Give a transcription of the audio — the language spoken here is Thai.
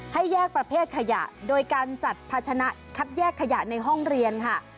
ให้แยกประเภทขยะโดยการจัดภาชนะคัดแยกขยะในห้องเรียนค่ะ